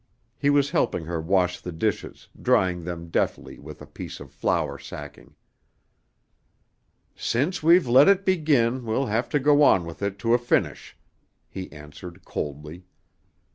He was helping her wash the dishes, drying them deftly with a piece of flour sacking. "Since we've let it begin, we'll have to go on with it to a finish," he answered coldly.